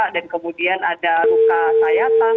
dan kemudian ada luka sayapang